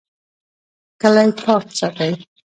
کلی پاک ساتئ